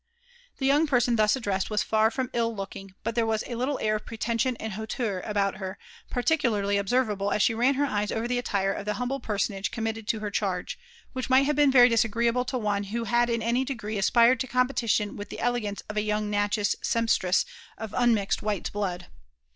*" The young person thus addressed was far from ill looking ; but there was a little air of pretension and hauteur about her, particularly observable as she ran her eyes over the attire of the humble personage committed to her charge, which might have been very disagreeable to one who had in any degree aspired to competition with the elegance of a young/Natchez sempstress of unmixed white blood.